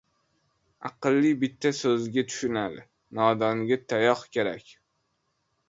• Aqlli bitta so‘zga tushunadi, nodonga tayoq kerak.